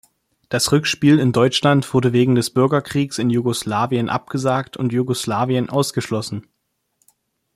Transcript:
Das Rückspiel in Deutschland wurde wegen des Bürgerkriegs in Jugoslawien abgesagt und Jugoslawien ausgeschlossen.